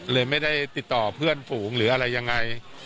เลยไม่ได้ติดต่อเพื่อนฝูงหรืออะไรยังไง